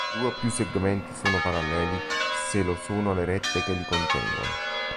Due o più segmenti sono paralleli se lo sono le rette che li contengono.